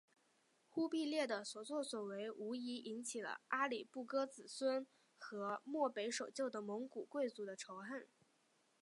忽必烈的所做所为无疑引起了阿里不哥子孙和漠北守旧的蒙古贵族的仇恨。